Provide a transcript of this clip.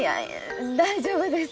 大丈夫です。